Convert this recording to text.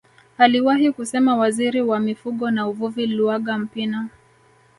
Aliwahi kusema waziri wa mifugo na uvuvi Luaga Mpina